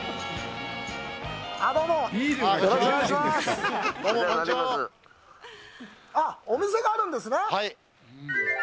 こんにちはあっ、お店があるんですね。